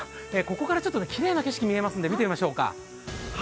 ここからきれいな景色が見えますので、見てみましょう。